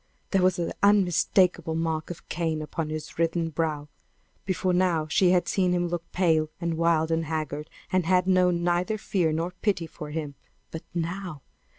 There was the unmistakable mark of Cain upon his writhen brow! Before now she had seen him look pale and wild and haggard, and had known neither fear nor pity for him. But now!